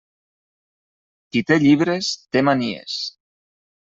Qui té llibres té manies.